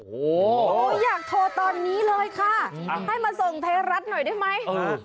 โอ้โหอยากโทรตอนนี้เลยค่ะให้มาส่งไทยรัฐหน่อยได้ไหม